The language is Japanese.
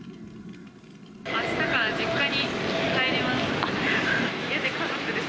あしたから実家に帰ります。